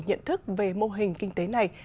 nhận thức về mô hình kinh tế này